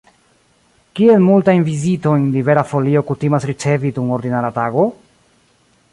Kiel multajn vizitojn Libera Folio kutimas ricevi dum ordinara tago?